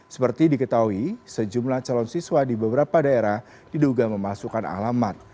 seperti diketahui sejumlah calon siswa di beberapa daerah diduga memasukkan alamat